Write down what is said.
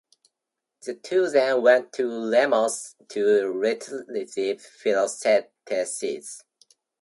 The two then went to Lemnos to retrieve Philoctetes.